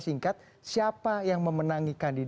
singkat siapa yang memenangi